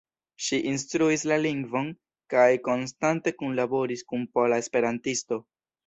Ŝi instruis la lingvon kaj konstante kunlaboris kun Pola Esperantisto.